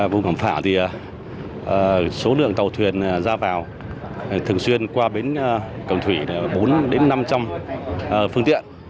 vùng phả thì số lượng tàu thuyền ra vào thường xuyên qua bến cầm thủy bốn đến năm trong phương tiện